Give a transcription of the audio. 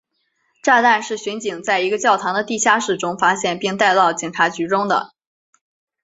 炸弹是巡警在一个教堂的地下室中发现并带到警察局中的。